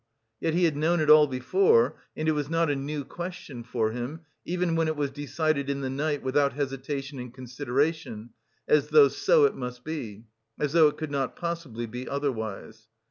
Yet he had known it all before, and it was not a new question for him, even when it was decided in the night without hesitation and consideration, as though so it must be, as though it could not possibly be otherwise....